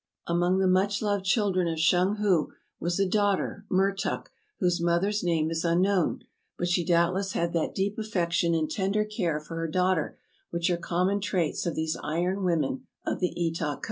Among the much loved children of Shung hu was a daughter, Mertuk, whose mother's name is unknown, but she doubtless had that deep affection and tender care for her daughter which are common traits of these iron women of the Etah coast.